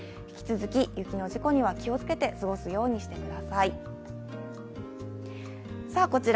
引き続き、雪の事故には気をつけて過ごすようにしてください。